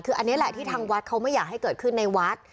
คืออันนี้แหละที่ทางวัดเขาไม่อยากให้เกิดขึ้นในวัด